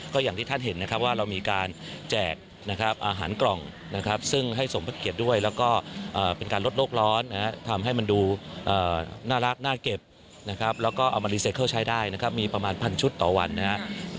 ก็อย่างที่ท่านเห็นนะครับว่าเรามีการแจกนะครับอาหารกล่องนะครับซึ่งให้สมพระเกียรติด้วยแล้วก็เป็นการลดโลกร้อนนะครับทำให้มันดูน่ารักน่าเก็บนะครับแล้วก็เอามารีไซเคิลใช้ได้นะครับมีประมาณพันชุดต่อวันนะครับ